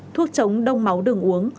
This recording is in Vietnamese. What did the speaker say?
thuốc chống đông máu đường uống